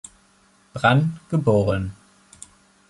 Brann geboren.